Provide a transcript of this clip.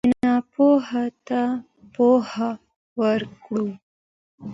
چې ناپوه ته پوهه ورکړو.